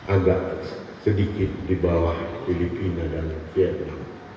agak sedikit di bawah filipina dan vietnam